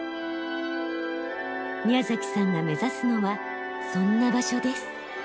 宮崎さんが目指すのはそんな場所です。